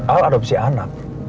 al adopsi anak